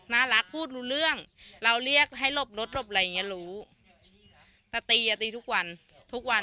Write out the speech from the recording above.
น่ารักพูดรู้เรื่องเราเรียกให้หลบรถหลบอะไรอย่างเงี้ยรู้แต่ตีอ่ะตีทุกวันทุกวัน